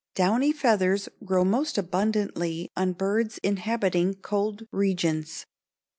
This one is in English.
Downy feathers grow most abundantly on birds inhabiting cold regions.